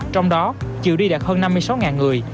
trong đó chiều đi đạt hơn năm mươi sáu người